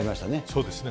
そうですね。